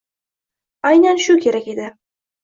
Aynan shu kerak edi!